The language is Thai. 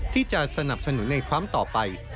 ที่จะสนับสนุนในครั้งต่อไป